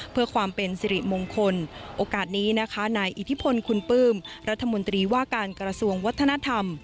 เพื่อความเป็นสิริมงคลโอกาสนี้นะคะนายอิทธิพลคุณปลื้มรัฐมนตรีว่าการกระทรวงวัฒนธรรม